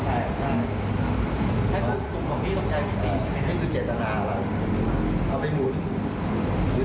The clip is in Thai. ก็จะไม่เอาเงินนี้ไปออกมาให้เขาหรอกจะเอาไปโกงกันอื่น